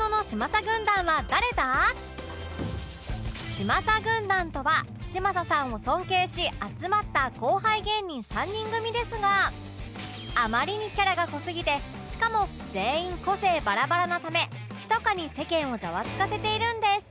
嶋佐軍団とは嶋佐さんを尊敬し集まった後輩芸人３人組ですがあまりにキャラが濃すぎてしかも全員個性バラバラなためひそかに世間をざわつかせているんです